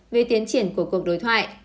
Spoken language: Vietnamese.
về tiến triển của cuộc đối thoại